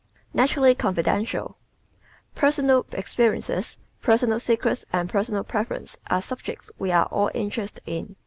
Naturally Confidential ¶ Personal experiences, personal secrets and personal preferences are subjects we are all interested in.